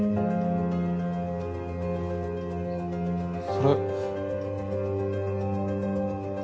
それ。